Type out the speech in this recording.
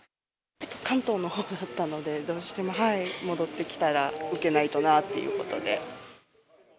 関東のほうだったので、どうしても戻ってきたら、受けないとなということで。